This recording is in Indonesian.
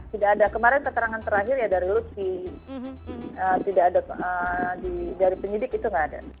tidak ada kemarin keterangan terakhir ya dari lutfi dari penyidik itu enggak ada